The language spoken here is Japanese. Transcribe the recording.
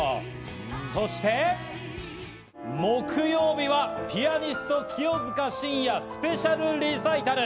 そして木曜日はピアニスト・清塚信也スペシャルリサイタル。